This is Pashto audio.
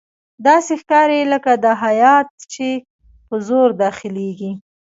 داسې ښکاري لکه دا هیات چې په زور داخليږي.